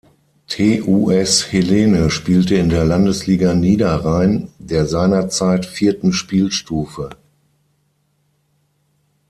TuS Helene spielte in der Landesliga Niederrhein, der seinerzeit vierten Spielstufe.